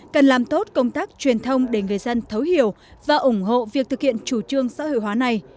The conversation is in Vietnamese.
cần làm tốt công tác truyền thông để người dân thấu hiểu và ủng hộ việc thực hiện chủ trương xã hội hóa này